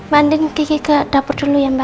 manding kiki ke dapur dulu ya mbak